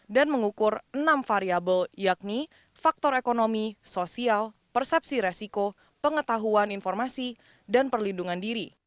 dan mengukur enam variabel yakni faktor ekonomi sosial persepsi resiko pengetahuan informasi dan perlindungan diri